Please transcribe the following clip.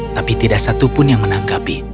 tapi tidak satu pun yang menanggapi